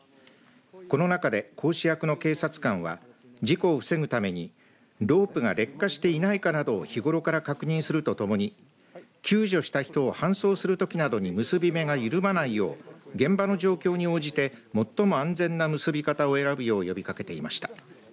この中で講師役の警察官は事故を防ぐためにロープが劣化していないかなどを日頃から確認するとともに救助した人を搬送するときなどに結び目が緩まないよう現場の状況に応じて最も安全な結び方を選ぶよう呼びかけていました。